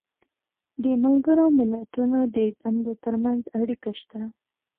د ملګرو ملتونو د دندو تر منځ اړیکه شته.